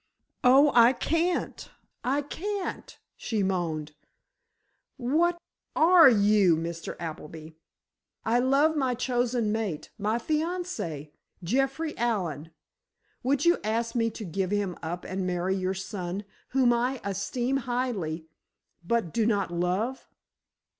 "Oh, I can't—I can't," she moaned. "What are you, Mr. Appleby? I love my chosen mate, my fiancé, Jeffrey Allen. Would you ask me to give him up and marry your son, whom I esteem highly, but do not love?"